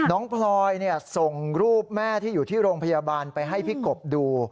พลอยส่งรูปแม่ที่อยู่ที่โรงพยาบาลไปให้พี่กบดู